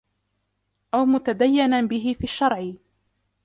أَوْ مُتَدَيَّنًا بِهِ فِي الشَّرْعِ